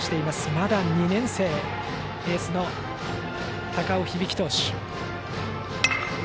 まだ２年生エースの高尾響投手。